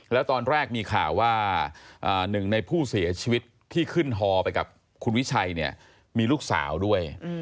แล้วตอนแรกมีข่าวว่าหนึ่งในผู้เสียชีวิตที่ขึ้นฮอไปกับคุณวิชัยเนี่ยมีลูกสาวด้วย